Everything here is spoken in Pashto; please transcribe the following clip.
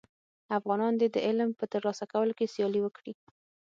افغانان دي د علم په تر لاسه کولو کي سیالي وکړي.